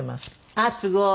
あっすごい！